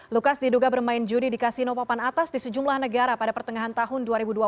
lukas diduga bermain judi di kasino papan atas di sejumlah negara pada pertengahan tahun dua ribu dua puluh